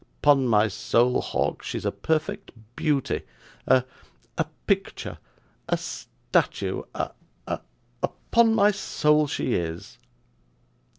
'Upon my soul, Hawk, she's a perfect beauty a a picture, a statue, a a upon my soul she is!